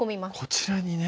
こちらにね